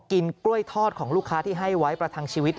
กินกล้วยทอดของลูกค้าที่ให้ไว้ประทังชีวิต